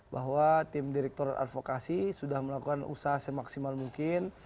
bahwa tim direktur advokasi sudah melakukan usaha semaksimal mungkin